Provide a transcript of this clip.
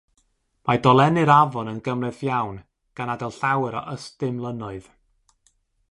Mae dolennu'r afon yn gymhleth iawn, gan adael llawer o ystumlynnoedd.